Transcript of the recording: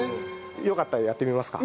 よかったらやってみますか？